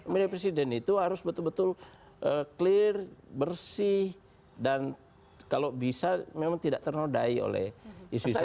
milik presiden itu harus betul betul clear bersih dan kalau bisa memang tidak ternodai oleh isu isu